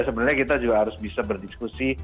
sebenarnya kita juga harus bisa berdiskusi